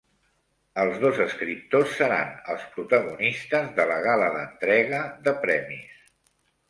Els dos escriptors seran els protagonistes de la gala d'entrega de premis